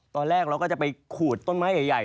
ตอนแรกเราก็จะไปขูดต้นไม้ใหญ่